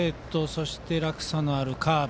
そして、落差のあるカーブ。